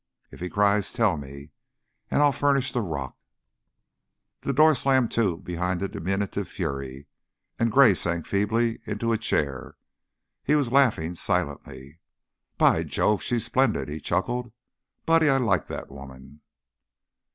If he cries, tell me and and I'll furnish the rock." The door slammed to behind the diminutive fury, and Gray sank feebly into a chair. He was laughing silently. "By Jove! She's splendid!" he chuckled. "Buddy, I I like that woman."